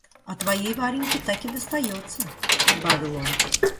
А твоей Вареньке таки достается, — прибавил он.